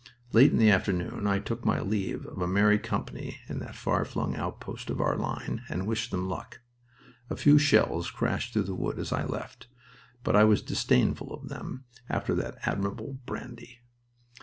Late in the afternoon I took my leave of a merry company in that far flung outpost of our line, and wished them luck. A few shells crashed through the wood as I left, but I was disdainful of them after that admirable brandy.